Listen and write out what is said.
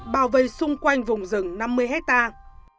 bảo vệ xung quanh vùng rừng năm mươi hectare